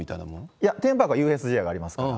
いや、テーマパークはＵＳＪがありますから。